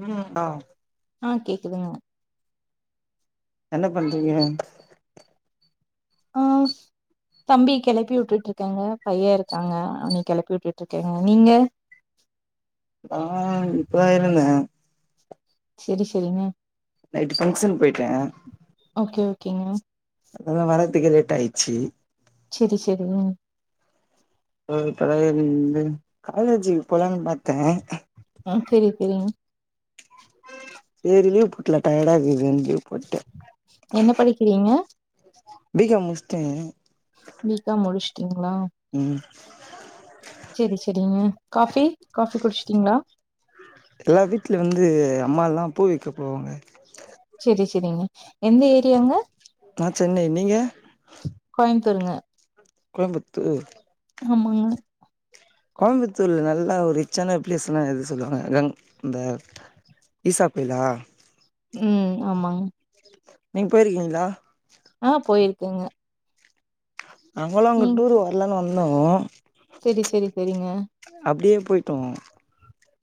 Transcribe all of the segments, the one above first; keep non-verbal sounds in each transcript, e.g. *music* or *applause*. ம்ம் ஹா ஆஹ் கேக்குதுங்கா என்ன பண்ருகிகா அஹ தம்பி கிளப்பி விட்டு விட்டு இருக்கேங்க பையன் இருக்காங்க அவன கிளப்பி விட்டுட்டு இருக்கேங்க நீங்க ஆஹ் இப்பயிருந்தே சேரி சேரிங்க நைட்டு பங்க்ஷன் போயிட்டேன் க ஔகேங்க அதா வரத்துக்கு லேட் ஆயிடுச்சு சேரி சேரி ம்ம் காலேஜி போலன்னு பார்த்தேன் ம் செரி செரிங்க ஏய் லீவ் போட்டேன் டயடா இருக்குன்னு லபோட்டேன் என்ன படிக்கிறீங்க பீக்காம் முடிச்சிட்டேன்க நீங்களா ம் சேரி சேரிங்க காபி காபி குடிச்சிட்டீங்களா அம்மா எல்லாம் பூ விக்கா போவாங்க சேரி சேரிங்க எந்த ஏரியாங்க நான் சென்னை நீங்க துருங்க கோயம்புத்து ஆமாங்க கோயம்புத்தூர் நல்லா ஒரு ரிச்சான பிளஸ் எல்லாம் எது சொல்லுவாங்க கங்க இந்த ஈசா கோயிலா உம் ஆமாங்க நீங்க போயிருக்கீங்களா ஆம் போயிருக்கங்க நங்களும் அங்க டூர் வரலான்னு வந்தாக ஹாலோ சேரி சைரி சரிங்க போய்ட்வங்க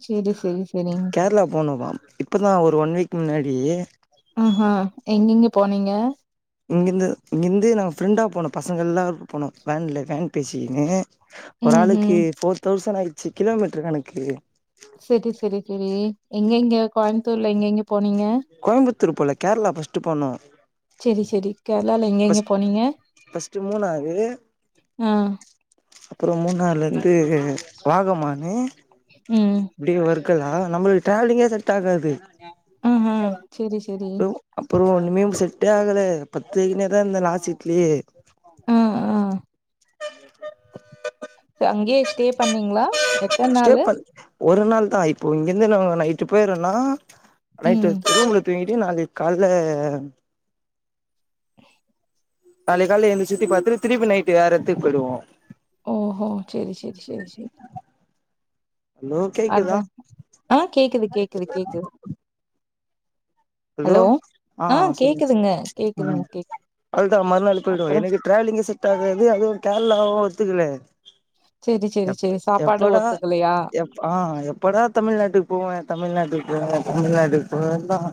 சேரி சேரி கேரளா பேனம் அம் இப்பதான் ஒரு ஒன்வீக் ஆஹ்ஹா எங்கக எங்க இங்கேருந்து இங்கேருந்து நாங்கள் ஃப்ரெண்டாக போனோம் பசங்கள் எல்லாருக்கும் போனோம் வேனில் வேன் பேசிக்கின்ன்னு *unintelligible* ஒரு ம் ம் ஆளுக்கு ஃபோர் தௌஷ்ண்சன் அகுதச் கிலோமீட்டரு கதணக்கு கோயமுத்தூர்ல இங்சஅகங்க போனீங்க திருப்ப போல கேரளா பர்ஸ்ட் போனோம் சரி சரி கேரளால எங்க எங்க போனீங்க ஃபர்ஸ்ட் மூணாறு ஆஹ் அப்புறம் மூணாறுலேருந்து வாகமானு உம் இருகல்லா நம்மளுக்கு டிராவலிங்கே செட் ஆகாது ஹ் ஹ் சரி சரி அப்புறம் ஒன்னுமே செட்டே ஆகல நீங்கதான் இந்த நாச்சிட்லே ஆஹ் ஆஹ் *inaudible* அங்கயே ஸ்டே பண்ணீங்களா எத்தின ஸ்டே நாளு பண் ஒரு நாள் தான் இப்போது இங்கேருந்து நா நைட்டு போயிரேன்னா நைட்டு ம் தூங்கி முடிப்பேன் நாளைக்கு கால்ல *inaudible* நாளைக்கு கால எந்திரிச்சி சுத்தி பார்த்தட்டு திருப்பி நைட்டு வேற எடத்துக்கு போய்டுவோம் ஓஹோ சரி சரி சரி சரி ஹலோ கேக்குதா அதான் ஆஹ் கேக்குது கேக்குது கேக்குது ஹலோ ஆ ஆஹ் சொல்லுங்க கேக்குதுங்க கேக்குதுங்க சொல்லுங்க கேக்குது அதான் மறுநாள் பொய்டுவேன் அப்புறோ இன்னக்கு ட்ராவலிங் செட் அதுவும் கேரளாவும் ஒத்துக்கலயா செரி செரி எப் செரி சாப்பாடு எப்படா ஒத்துக்கலையா? எப் ஆஹ் எப்படா தமிழ்நாட்டுக்கு போவேன் தமிழ்நாட்டு போவே தமிழ்நாட்டுக்கு போனாதான்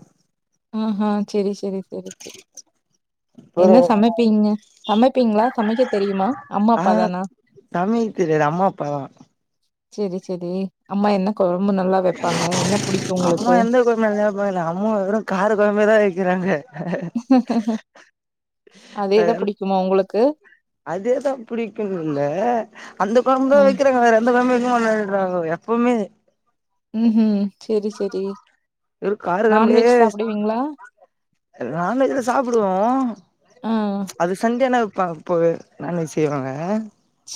ஆஹ்ஹ் சரி சரி சரி சரி சரி என்ன ஒரு சமைப்பீங்க சமைப்பிங்களா சமைக்க தெரியுமா அம்மா ஆ அப்பா தானா தமிழ் தெரியாது அம்மா அப்பாதா சரி சரி அம்மா என்ன கொழம்பு நல்லா வெப்பாங்க என்ன புடிக்கு அம்மா உங்களுக்கு எந்த கோயம போறாங்க அம்மா காரு பொரும்மயாதான் இருக்கிறாங்க அதேதா புடிக்குமா உங்களுக்கு அதேதா பிடிக்குறதுல்ல அந்த குழம்பு தான் ம் வைக்கிறாங்க வேற எந்த குழம்பு ளாடுறா எப்பவுமே உம் உம் சரி சரி கரு கழம்ப நான்வெஜ்ல சாப்பிடுவோம் ஆ அது சண்டேன அப்பப்போ நான் வெஜ் செய்வாங்க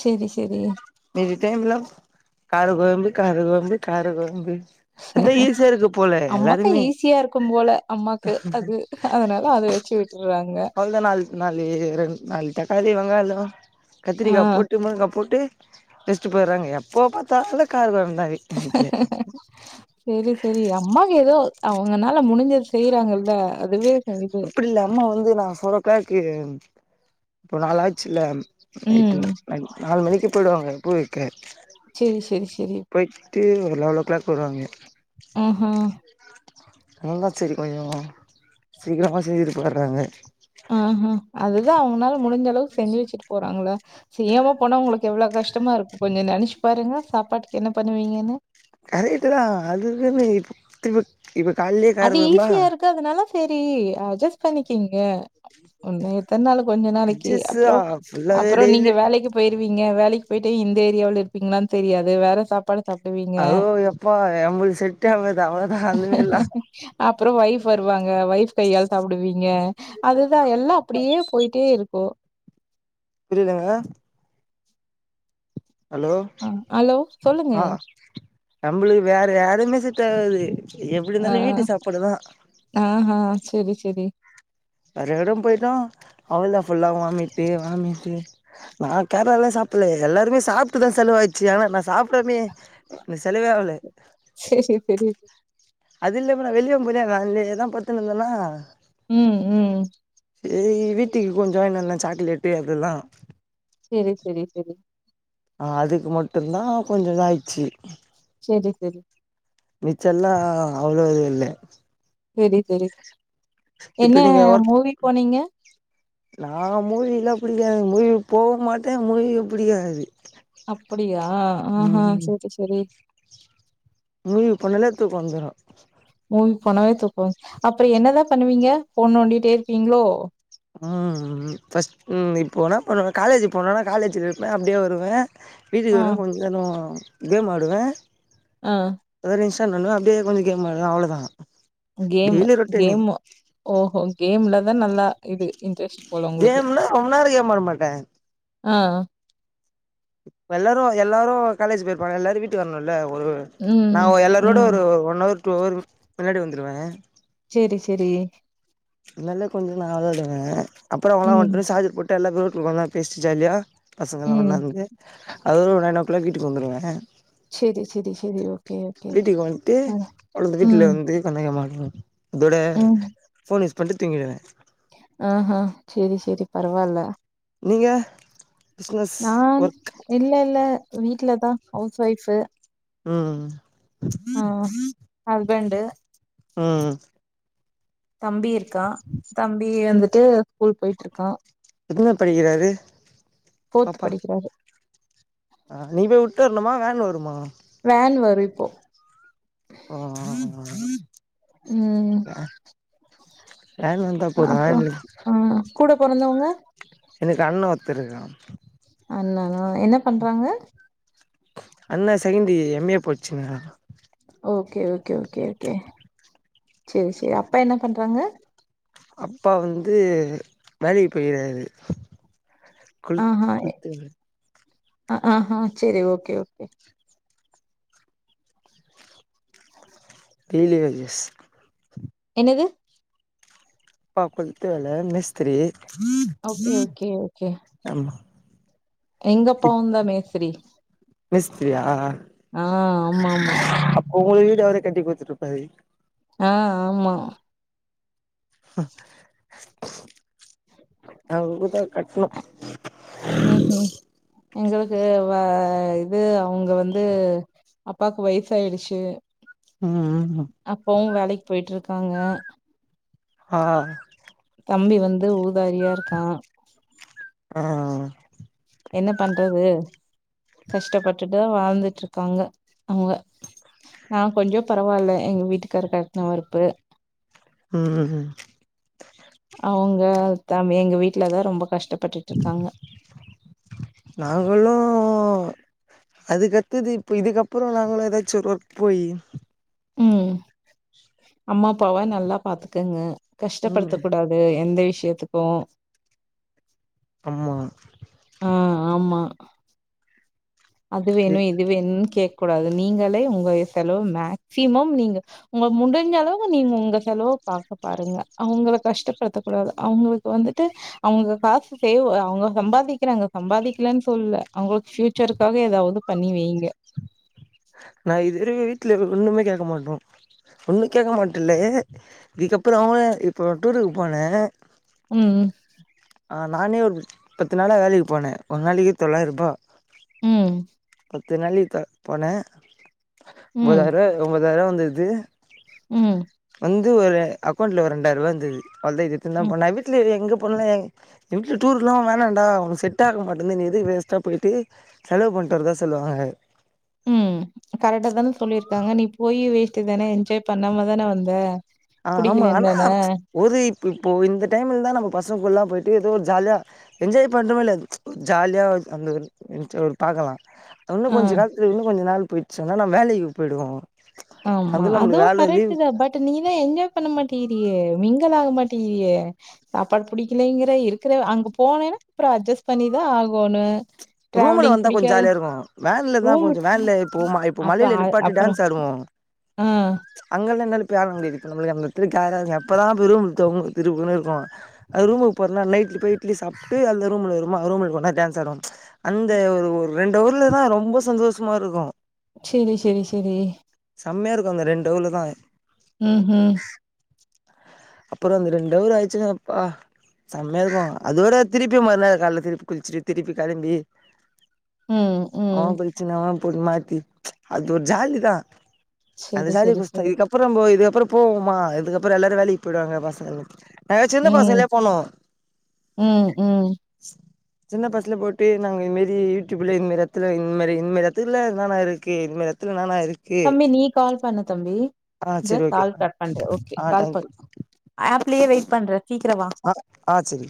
செரி செரி எதுட்டல கார கோயம்பு கார கோயம்பு கார கோயம்பு அம்மாக்கு ஈஸியா இருக்கும் போல அம்மாக்கு அது அதனால அத வச்சு விட்டுறாங்க சொ *unintelligible* *unintelligible* ஆ கத்திரிக்காய் போட்டு முருங்கா போட்டு ஸ்ட போடுறாங்க எப்போ பாத்தா கார செரி செரி அம்மாக்கு ஏதோ அவங்கனால முடிஞ்ச செய்றாங்கள அதுவே இது அப்படி இல்ல அம்மா வந்து நான் சொல்றக்கக்கு ரொம்ப நால ஆச்ல்ல ம் *unintelligible* கூப்பிடுவாங்க பூவிக்கு செரி செரி செரி ஒரு லவ்லோ கிளாக் வருவாங்க ஆஹா ச *inaudible* என்தான் சரி கொஞ்சோ சீக்கிரமா செய்ஞ்சட்டு போய்டுறாங்க அவங்களால முடிஞ்ச அளவு செஞ்சு வச்சுட்டு போறாங்கள செய்யமா போனா உங்களுக்கு எவ்வளவு கஷ்டமா இருக்கும் கொஞ்சோ நெனைச்சு பாருங்க சாப்பாட்டுக்கு என்ன பண்ணுவீங்கன்னு கரெக்ட்டு தான் அதுக்குன்னுத்தி அது ஈஸியா இருக்கு அதனால சரி அட்ஜஸ் பண்ணிக்கீங்க ஒன்ன எத்தன நா கொஞ்சோ நாளைக்கு அட்ஜஸ்ட்தா அப்புறம் ஃபுல்லாவே அப்புறம் நீங்க டெய்லி வேலைக்கு போயி இருப்பீங்க வேலைக்கு போயிட்டு இந்த ஏரியாவில் இருப்பீங்களான்னு தெரியாது வேற சாப்பாடு சாப்பிடுவீங்க. அதுவும் எப்பா எம்பது செட்டுஆகாது அவளதான் அந்தமே எல்லாம் அப்புறம் ஒய்ஃப் வருவாங்க ஒய்ஃப் கையால் சாப்பிடுவீங்க அதுதான் எல்லாம் அப்படியே போயிட்டே இருக்கு இப்போ புரியலங்க ஹலோ அ ஹலோ சொல்லுங்க. ஆஹ் நம்மளுக்கு வேற யாருமே செட் ஆகாது எப்டி இருந்தாலு ஆஹ் வீட்டு சாப்பாடு தா ஆஹ் ஆஹ் செரி செரி வேற எடோ போயிட்டோ அவள்தா ஃபுல்லா வாமிட்டு வாமிட்டு நா கேர்லால சாப்ல்ல எல்லாருமே சாப்பிட்டுதா செலவாயிடுச்சு ஆனா நா சாப்டாமயே. இந்த செலவே ஆவல ம்ச். சரி, சரி. அது இல்லாம நா வெளியவு போலியா ஆல்லியேதா பத்துன்னு இருந்தனா. உம் உம். சேரி வீட்டுக்கு கொஞ்சோ என்னல்லா சாக்லேட்டு அதெல்லா. சேரி சேரி சேரி. ஆஹ அதுக்கு மட்டும்தா கொஞ்சோ இது ஆயிடுச்சு. சேரி சேரி. மிச்ச எல்லா அவ்வளவு இது இல்ல. சேரி சேரி. இப்ப நீங்க வொர்க். நா மூவி எல்லா புடிக்காதுங்க மூவி. போக மாட்ட மூவியு புடிக்காது. அப்படியா ஆஹா சேரி சேரி. மூவிக்கு போனன்னா தூக்கோ வந்துரு. உம். போனாவே தூக்கோ வந். அப்புறோ என்னதா பண்ணுவீங்க போன்நோண்டிட்டே இருப்பீங்களோ. ஃபஸ்டு இப்போனா போண்ணுவ காலேஜக்கு போனனா காலேஜில இருப்ப அப்படியே வருவ. வீட்டுக்கு ஆ, வருவ கொஞ்ச நேரோ. கேம் ஆடுவ. ஆஹ. பண்ணனு அப்டியே கொஞ்சோ கேம் ஆடுவ அவ்ளோதா. கேம்மு டெய்லி ரொட்டீனு கேம்மு ஓஹோ கேம்ல்லா. அதன் நல்லா இ இன்டரஸ்ட் கேம்னா ரொம்ப நேரோ கேம் ஆடமாட்ட. ஆஹ. எல்லாரு எல்லாரு காலேஜ் போயிருப்பாங்க எல்லாரு வீட்டுக்கு வரணும்ள. ஒரு நா ம், எல்லாரோட ம். ஒரு ஒன் அவர் டூ அவர் முன்னாடி வந்து. ந்துடுவ. சேரி சேரி. இல்லனா கொஞ்சோ நா விளாடுவ. அப்புறோ அவாங்ளா வட்டு ம், சார்ஜர் போட்டு. ட்டு ரோட்ல வந்தா பேசிட்டு ஜாலியா. பசங்கலாம் ம். ஒண்ணாருந்துட்டு. அது ஒரு நைன் ஓ கிளாக் வீட்டுக்கு வந்துடுவ. சேரி சேரி சேரி ஓக். வீட்டுக்கு வந்துட்டு உங்க வீட்டுல ம், வந்து சந்தேகம்தா. உம். தொட போலீஸ். வந்துட்டீங்கறன் ஆஹ்ஹ் சரி சரி பரவால்ல நீங்கஹா நான் இல்ல இல்ல வீட் வீட்ல தான் ஹவுஸ் வைஃப் உம் ஹம் ஹஸ்பண்டு ஆஹ தம்பீர் கா தம்பி எழுந்திரு திரு ஸ்கூல் போயிட்டு இருக்கான் எதனாவது படிக்கிறாரு போர்த் படிக்கிறாரு அஹ நீ போய் விட்டு வரணுமா வேன் வருமா வேன் வரும் இப்போ ஹஹ உஹீம் வேன் வந்தா போது அப்புறம் வேன்ல ஹே கூட பொறந் வந்தவங்க எனக்கு அண்ண ஒருத்தன் இருக்கான் அண்ணன்னா என்ன பண்றாங்க அண்ணா செகண்ட் இயர் எம் ஏ படிச்சினிருக்கான் ஓகே ஓகே ஓகே ஓகே செரி செரி அப்பா என்ன பண்றாங்க அப்பா வந்து வேலைக்கு போயிகிறாரு குல் குத்தவ ஆஹ் ஹன் செரி ஓகே ஓகே டெய்லி வேஜஸ் என்னது ப்பா கொளுத்து வேல மேஸ்திரி ஓகே ஓகே ஓகே ஆம்ம எங்க அப்பாவும் தான் மேஸ்திரி மேஸ்திரியா ஆ ஆமா ஆமா அப்ப உங்களுக்கு வீ அவரேய் கட்டி குடுத்து இருப்பாரு ஆஹ ஆம்மா ஹான் ரொம்பத்தா கட்ணும் ம்ஹூ எங்களுக்கு வா இது அவுங்க வந்து அப்பாக்கு வயசு ஆயிடுச்சு உம்உம் போயிட்டுருக்காங்க ஆஹ் தம்பி வந்து ஊருக் உதாரியா இருக்கான் ஆஹ் ஆஹ் என்ன பண்றது கஷ்டப்பட்டுட்டு வாழ்ந்துட்டுருக்காங்க அவுங்க நான் கொஞ்சம் பரவால எங்க வீட்டுக்கார கட்டின வறுப்பு உம் அவுங்க தமி எங்க வீட்டுலதான் ரொம்ப கஷ் நாங்கல்லும் அதுக்கத்துது இப்ப இதுக்கப்புறம் நாங்களும் ஏதாச்சும் ஒரு ஒர்க் போய் உம் அம்மா அப்பாவா நல்லா பாத்துக்கங்க ம் கஷ்டப்படுத்தக் கூடாது எந்த விஷயத்துக்கும் ஆமா ஆமா அது வேணும் இது வேணும்னு கேக் கூடாது நீங்களே உங்க செலவு மேக்சிமம் நீங்க உங்க முடிஞ்ச அளவு நீங்க உங்க செலவு பாக்க பாருங்க அவுங்கள கஷ்டப்படுத்த கூடாது அவுங்களுக்கு வந்துட்டு அவுங்க காசு சேவ் அவங்க சம்பாதிக்கறாங்க சம்பாதிக்கலன்னு சொல்லால அவுங்களுக்கு ஃபியூச்சர்க்கு ஏதாவது பண்ணி வைங்க வீட்டில் ஒன்னுமே கேட்க மாட்டோம் ஒன்னும் கேட்க மாட்டேில்லை இதுக்கப்புறம் அவங்கள இப்போ டூருக்கு போனேன் ஹும் ஆஹ் நானே ஒரு பத்து நாளா வேலைக்கு போனேன் ஒரு நாளைக்கு தொளாயிரம் ரூபா உம் இத்தனாளி போனேன் ஒன்பதாயிரம் எங்க அம்மா வேற வந்து இது உம் எந்து ஒரு அக்கௌண்ல ஒரு ரெண்டாயிரம் ரூபா இருந்தது அ இது இரு தான் ம் போன வீட்டுல எங்க பண்ணள்ள என் வீட்டுல டூர் எல்லாம் வேணாம்டா வொனக் செட் ஆக மாட்டேனுது நீ எது வேஸ்ட்டா போயிட்டு செலவு பண்ணுட்டுறதா சொல்லுவாங்க உம் கரெக்டா தானே சொல்லியிருக்காங்க நீ போய் வேஸ்ட்டு தானே என்ஜாய் பண்ணாம தானே வந்த ஆஹ் ஆமா புடிக்கலன் ஆனா தான ஒரு இ இப்போ இந்த டைம்ல தான் நம்ம பசங்கக்குள்ளல்லாம் போயிட்டு ஏதோ ஒரு ஜாலியா என்ஜாய் பண்றோமே ஜாலியா அந்த பாக்கலாம் அது இன்னும் ஆ கொஞ்ச காலத்துல இன்னும் கொஞ்சம் நாள் போயிட்டு சொன்னால் நம் வேலைக்கு போயிடுவோம் ஆமா அதுவும் கரெக்ட் தான் பட் நீதான் எங்க பண்ண மாட்டேங்கிரியே மிங்கல் ஆக மாட்டேங்கிரியே சாப்பாடு பிடிக்கலங்கிற இருக்கிற அங்க போனேன்னா அப்புறம் அட்ஜஸ்ட் பண்ணிதான் ஆகணும் ரூம்ல வந்தா கொஞ்சம் ஜாலியா இருக்கும் வேன்ல தான் ரூம் கொஞ்சம் வேன்ல இப்போ இப்ப அப்ப மலையில அ அப்புறம் நிப்பாட்டிடான்ஸ் ஆடுவோம் ஆ அங் இப்ப ஆட முடியாது இப்ப நம்மளுக்கு ஆகாது அப்போ எல்லாம் திருபுருனு இருக்கும் ரூமுக்கு போறேனா நைட்டுல போய்ட்டு இட்லி சாப்பிட்டு அந்த ரூம்ல இருக்குறவுங்க எல்லாம் டான்ஸ் ஆடுவாங்க அந்த ஒரு ஒரு ரெண்டு ஊர்லதான் ரொம்ப சந்தோஷமா இருக்கும் செரி செரி செரி கம்மியா இருக்கும் அந்த ரெண்டு வில் தான் உஹம் உஹம் அப்புறம் அந்த ரெண்ட ஊர் ஆயிடுச்சுங்கப்பா செம்மையா இருக்கும் அதோட திருப்பி மறுநாள் காலல திருப்பி குளிச்சுட்டு திருப்பி களம்பி ம், ம். ம் அவன் பிரச்சனை பொது மாத்தி அது ஒரு ஒரு ஜாலிதா அந்த சரி, ஜாலி சரி, குச்தா சரி. இதுக்கப்புறம்போய் ஏதோ அப்புறம் போவோமா அதுக்கப்புறம் எல்லாரும் வேலை போய்டுவாங்க பசங்கல அலச்சுட்டு உம் உம் உம் சின்ன பஸ்ல போட்டு நாங்க இதுமாரி யூடியூப்ல இந்த மாரி இடத்துல இந்த மாரி இந்த மாரி இடத்துல நானா இருக்கு இந்த மாரி இடத்துல நானா இருக்கு தம்பி நீ கால் பண்ண தம்பி ஆ இந்த சரி ஓகே கால் கட் பண்றேன் ஓகே ஆ கால் பண் தேங்க்யூ ஆப்லயே வெயிட் பண்ற கி ஆஹ் ஆஹ் சரி